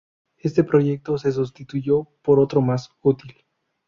Este proyecto, se sustituyó por otro más útil.